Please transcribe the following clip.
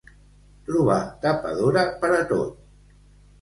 Trobar tapadora per a tot.